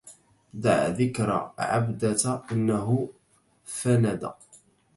دع ذكر عبدة إنه فند